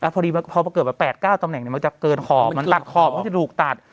พอดีพอเกิดมา๘๙ตำแหน่งมันจะเกินขอบมันตัดขอบมันจะถูกตัด